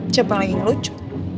siapa lagi yang lucu